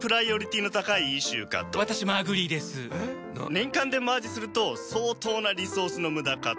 年間でマージすると相当なリソースの無駄かと。